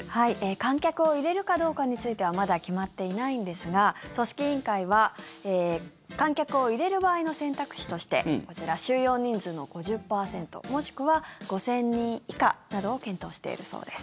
観客を入れるかどうかについてはまだ決まっていないんですが組織委員会は観客を入れる場合の選択肢としてこちら、収容人数の５０％もしくは５０００人以下などを検討しているそうです。